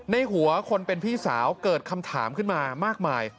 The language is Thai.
ในหัวคนเป็นพี่สาวเกิดคำถามขึ้นมามากมาย